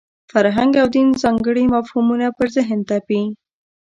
فرهنګ او دین ځانګړي مفهومونه پر ذهن تپي.